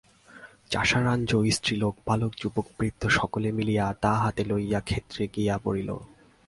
চাষারাঞ্চ স্ত্রীলোক বালক যুবক বৃদ্ধ সকলে মিলিয়া দা হাতে লইয়া ক্ষেত্রে গিয়া পড়িল।